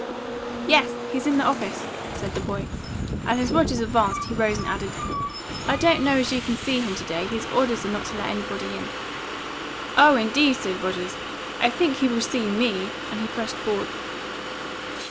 "Yes, he's in his office," said the boy; and as Rogers advanced, he rose and added, "I don't know as you can see him to day. His orders are not to let anybody in." "Oh, indeed!" said Rogers; "I think he will see ME!" and he pressed forward.